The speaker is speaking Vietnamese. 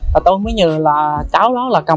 và tôi mới nhờ là cháu đó là cầm